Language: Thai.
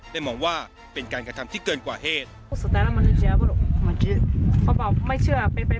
มองว่าเป็นการกระทำที่เกินกว่าเหตุ